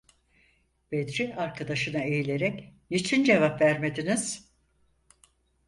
Bedri arkadaşına eğilerek: "Niçin cevap vermediniz?"